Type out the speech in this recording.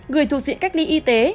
người thuộc diện cách ly y tế